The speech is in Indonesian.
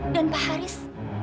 dan pak haris